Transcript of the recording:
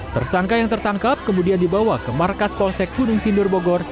tersangka yang tertangkap kemudian dibawa ke markas polsek gunung sindur bogor